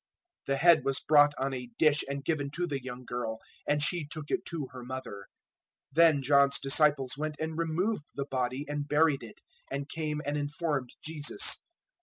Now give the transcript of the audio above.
014:011 The head was brought on a dish and given to the young girl, and she took it to her mother. 014:012 Then John's disciples went and removed the body and buried it, and came and informed Jesus.